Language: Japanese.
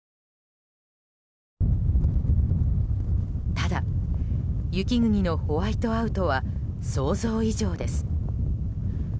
ただ、雪国のホワイトアウトは想像以上です。